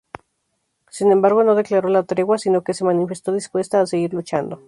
Sin embargo, no declaró la tregua, sino que se manifestó dispuesta a "seguir luchando".